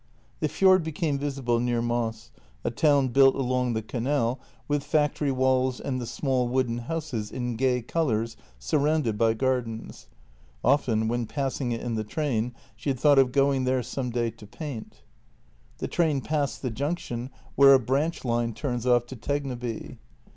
The fjord became visible near Moss, a town built along the JENNY 235 canal, with factory walls and the small wooden houses in gay colours surrounded by gardens. Often when passing it in the train she had thought of going there some day to paint. The train passed the junction where a branch line turns off to Tegneby.